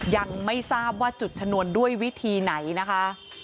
ยังไม่ทราบว่าจุดชนวนด้วยวิธีไหนนะคะ